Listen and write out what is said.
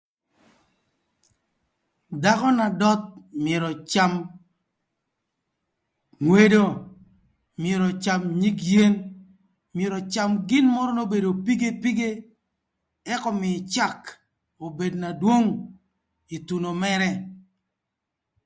Dhakö na döth myero öcam ngwedo, myero öcam nyig yen, myero öcam gin mörö n'obedo pige pige ëk ömïï cak obed na dwong ï thuno mërë.